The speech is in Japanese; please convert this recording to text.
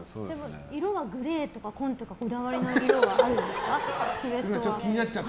色はグレーとか紺とかこだわりの色はあるんですか？